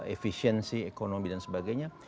efisiensi ekonomi dan sebagainya